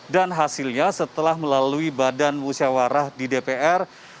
dan hasilnya setelah melalui badan musyawarah di dpr